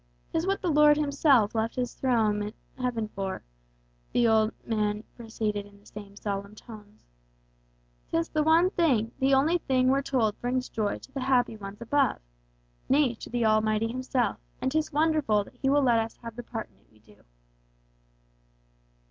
'Tis what the Lord Himself left His throne in heaven for," the old man proceeded in the same solemn tones; "'tis the one thing, the only thing we're told brings joy to the happy ones above; nay to the Almighty Himself, and 'tis wonderful that He will let us have the part in it we do!"